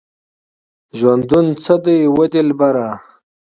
ژوندونه څه دی وه دلبره؟